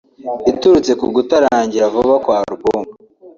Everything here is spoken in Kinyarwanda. iturutse ku kutarangira vuba kwa album